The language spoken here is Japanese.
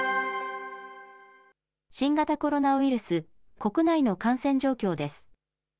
新型コロナウイルス、国内の感染状況です。